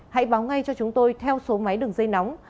hãy báo ngay cho chúng tôi theo số máy đường dây nóng